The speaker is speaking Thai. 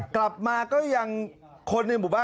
กลับมาก็ยังคนในหมู่บ้าน